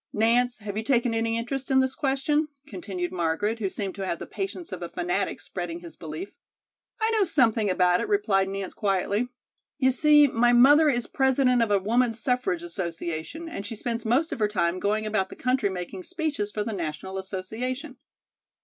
"Nance, have you taken any interest in this question?" continued Margaret, who seemed to have the patience of a fanatic spreading his belief. "I know something about it," replied Nance quietly. "You see, my mother is President of a Woman's Suffrage Association, and she spends most of her time going about the country making speeches for the National Association."